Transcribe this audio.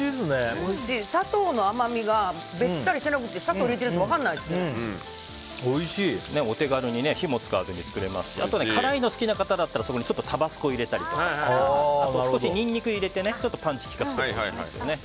砂糖の甘みがべったりしてなくて砂糖入れてるってお手軽に火も使わずに作れますしあとは辛いの好きな方だったらタバスコを入れたりとか少しニンニク入れてパンチを利かせたりとか。